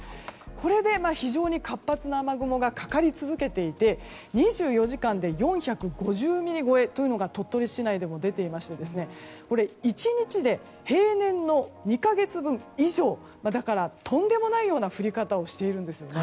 これで、非常に活発な雨雲がかかり続けていて２４時間で４５０ミリ超えというのが、鳥取市内でも出ていまして１日で平年の２か月分以上だから、とんでもないような降り方をしているんですね。